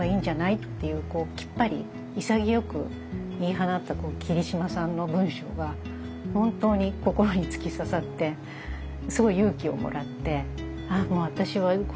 っていうきっぱり潔く言い放った桐島さんの文章が本当に心に突き刺さってすごい勇気をもらって。